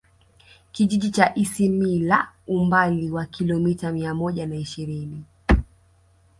Kijiji cha Isimila umbali wa kilomita mia moja na ishirini